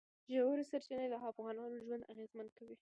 ژورې سرچینې د افغانانو ژوند اغېزمن کوي.